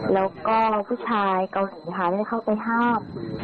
แล้วก็ผู้ชายเกาหลีค่ะได้เข้าไปห้าม